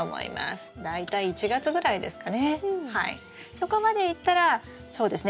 そこまでいったらそうですね